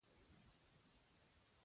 اتلسمه برخه د استسقا لمونځ.